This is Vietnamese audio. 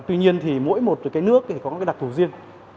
tuy nhiên mỗi một nước có đặc thù riêng